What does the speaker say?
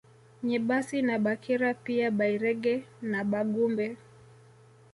Nyabasi na Bakira pia Bairege na Bagumbe